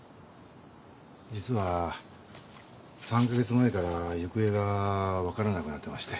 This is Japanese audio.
実は３か月前から行方がわからなくなってまして。